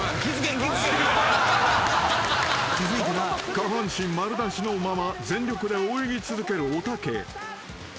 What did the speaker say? ［下半身丸出しのまま全力で泳ぎ続けるおたけ］